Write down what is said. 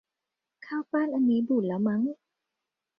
ข้าวปั้นอันนี้บูดแล้วมั้ง